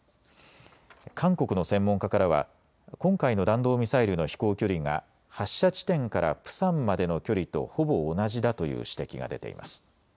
韓国の専門家からは今回の弾道ミサイルの飛行距離が発射地点からプサンまでの距離とほぼ同じだという指摘が出ています。